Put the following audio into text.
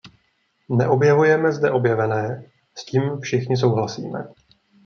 Neobjevujeme zde objevené, s tím všichni souhlasíme.